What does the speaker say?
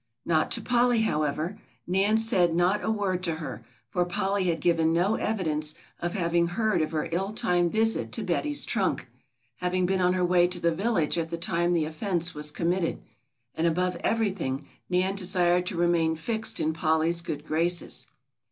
Not to Polly, however; Nan said not a word to her, for Polly had given no evidence of having heard of her ill timed visit to Betty's trunk, having been on her way to the village at the time the offence was committed, and above everything Nan desired to remain fixed in Polly's good graces.